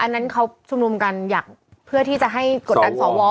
อันนั้นเขาชุมนุมกันอยากเพื่อที่จะให้กดดันสว